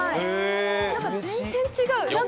全然違う。